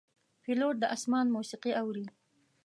پیلوټ د آسمان موسیقي اوري.